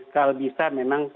kalau bisa memang